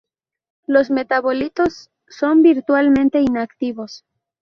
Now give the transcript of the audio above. Los metabolitos son virtualmente inactivos.